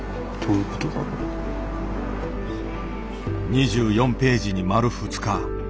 ２４ページに丸２日。